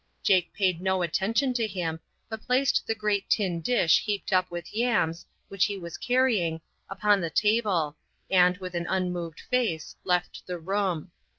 Jake paid no attention to him, but placed the great tin dish heaped up with yams, which he was carrying, upon the table, and, with an unmoved face, left the room.